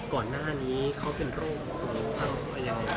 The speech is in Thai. ก่อนหน้านี้เขาเป็นโรคซึมเศร้าหรือยังไง